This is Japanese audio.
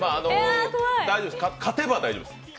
勝てば大丈夫です。